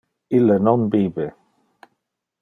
Ille non bibe.